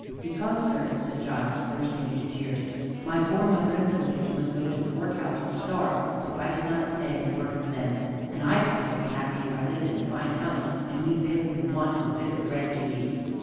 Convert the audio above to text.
"Because, sir," said Giles, bursting into tears, "my poor mother and sisters must go to the workhouse or starve if I did not stay and work for them, and I could not be happy if I lived in a fine house, and knew they were in want of a bit of bread to eat."